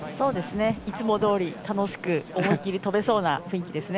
いつもどおり楽しく思いっきり跳べそうな雰囲気ですね。